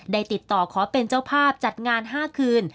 ติดต่อขอเป็นเจ้าภาพจัดงาน๕คืน